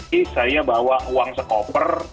ini saya bawa uang sekoper